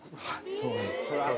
そうなんです。